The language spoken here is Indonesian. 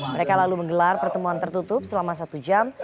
mereka lalu menggelar pertemuan tertutup selama satu jam